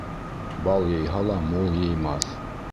Бал йыйһа ла мул йыймаҫ.